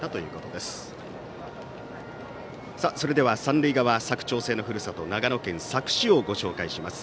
では、三塁側佐久長聖のふるさと長野県佐久市をご紹介します。